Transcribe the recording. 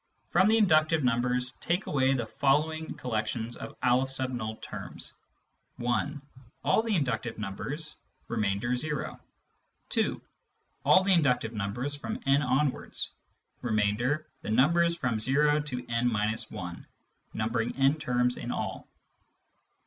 From the inductive numbers, take away the following collections of N terms :— (1) All the inductive numbers— .remainder, zero. (2) All the inductive numbers from n onwards— remainder, the numbers from o to n— 1, numbering n terms in all.